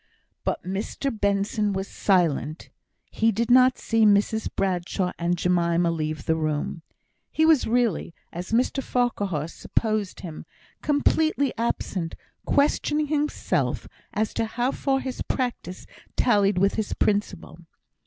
But Mr Benson was silent. He did not see Mrs Bradshaw and Jemima leave the room. He was really, as Mr Farquhar supposed him, completely absent, questioning himself as to how far his practice tallied with his principle.